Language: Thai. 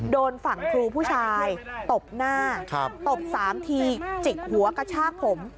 โดนฝั่งครูผู้ชายตบหน้าตบ๓ทีจิกหัวกระชากผม